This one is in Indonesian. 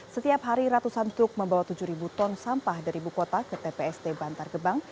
setiap hari ratusan truk membawa tujuh ton sampah dari ibu kota ke tpst bantar gebang